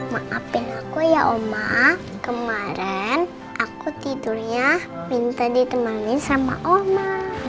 maafin aku ya uma kemaren aku tidurnya minta ditemani sama uma